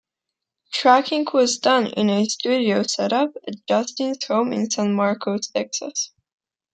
Tracking was done in a studio setup at Justin's home in San Marcos, Texas.